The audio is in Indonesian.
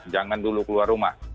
jangan dulu keluar rumah